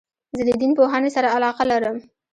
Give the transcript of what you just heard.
زه د دین پوهني سره علاقه لرم.